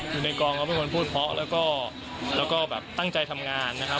ในกองเขาเป็นคนพูดเพราะแล้วก็แบบตั้งใจทำงานนะครับ